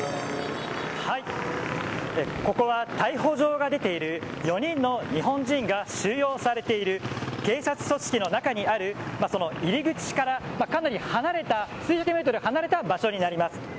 ここは、逮捕状が出ている４人の日本人が収容されている警察組織の中にある入り口から、かなり離れた数百メートル離れた場所になります。